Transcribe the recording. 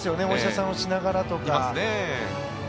お医者さんをしながらとか。